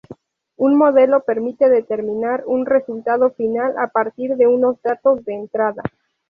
Un modelo permite determinar un resultado final a partir de unos datos de entrada.